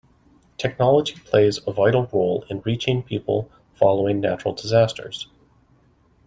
Technology plays a vital role in reaching people following natural disasters.